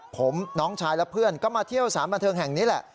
ผมน้องชายและเพื่อนก็มาเที่ยวสารบันเทิงแห่งนี้แหละ